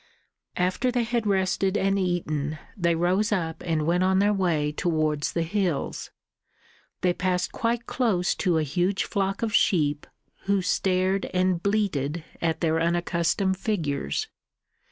After they had rested and eaten, they rose up and went on their way towards the hills. They passed quite close to a huge flock of sheep, who stared and bleated at their unaccustomed figures.